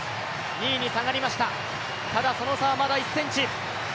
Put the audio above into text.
２位に下がりました、ただその差はまだ１ｃｍ。